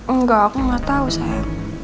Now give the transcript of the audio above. enggak aku gak tau sayang